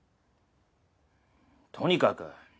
とにかく！